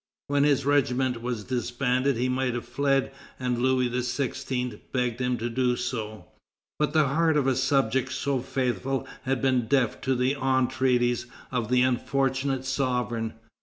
When his regiment was disbanded he might have fled, and Louis XVI. begged him to do so; but the heart of a subject so faithful had been deaf to the entreaties of the unfortunate sovereign.